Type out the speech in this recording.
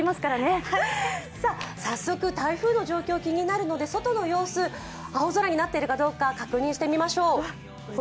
早速台風の状況が気になるので青空になっているかどうか確認してみましょう。